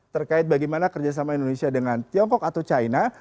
terkait bagaimana kerjasama indonesia dengan tiongkok atau china